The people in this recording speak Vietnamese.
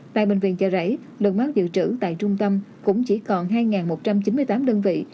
tại bệnh viện chợ rẫy lượng máu dự trữ tại trung tâm cũng chỉ còn hai một trăm chín mươi tám đơn vị